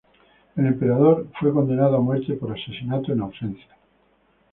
El emperador fue condenado a muerte por asesinato en ausencia.